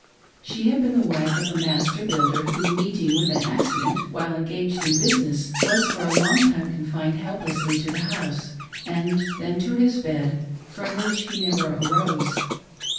She had been the wife of a master builder, who meeting with an accident while engaged in business, was for a long time confined helplessly to the house, and then to his bed, from which he never arose.